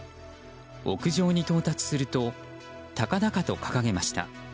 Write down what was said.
屋上に到達すると高々と掲げました。